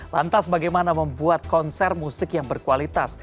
lantas bagaimana membuat konser musik yang berkualitas